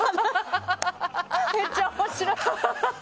めっちゃ面白い。